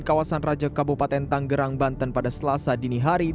kawasan raja kabupaten tanggerang banten pada selasa dini hari